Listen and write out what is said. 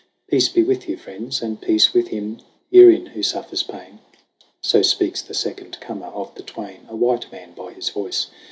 "Peace be with you, friends ! And peace with him herein who suffers pain!" So speaks the second comer of the twain A white man by his voice.